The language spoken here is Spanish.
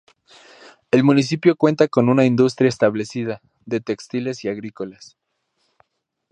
El municipio cuenta con una industrias establecida: de textiles y agrícolas.